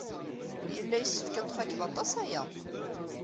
Yella yessefk ad t-tfakeḍ aṭas aya.